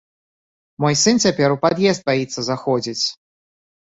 Мой сын цяпер у пад'езд баіцца заходзіць!